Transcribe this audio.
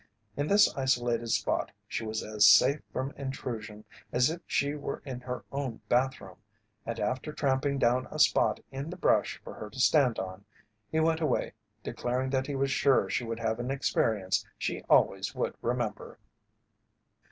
In this isolated spot she was as safe from intrusion as if she were in her own bathroom, and, after tramping down a spot in the brush for her to stand on, he went away declaring that he was sure she would have an experience she always would remember.